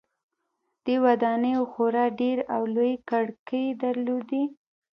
دې ودانیو خورا ډیرې او لویې کړکۍ درلودې.